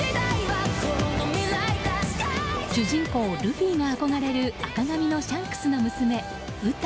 主人公ルフィが憧れる赤髪のシャンクスの娘ウタ。